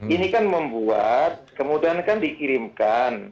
ini kan membuat kemudian kan dikirimkan